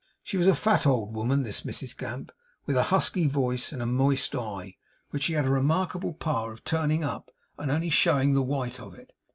She was a fat old woman, this Mrs Gamp, with a husky voice and a moist eye, which she had a remarkable power of turning up, and only showing the white of it.